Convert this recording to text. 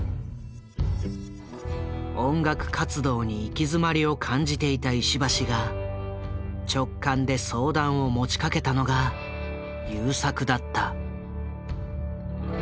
音楽活動に行き詰まりを感じていた石橋が直感で相談を持ちかけたのが優作だった。